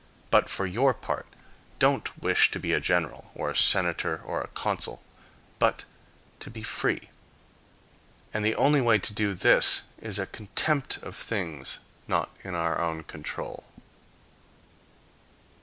But, for your part, don't wish to be a general, or a senator, or a consul, but to be free; and the only way to this is a contempt of things not in our own control.